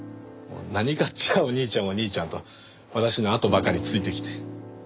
何かあっちゃお兄ちゃんお兄ちゃんと私のあとばかりついてきて。